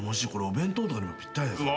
お弁当とかにもぴったりだぞ。